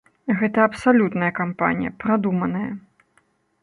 Гэта абсалютная кампанія, прадуманая.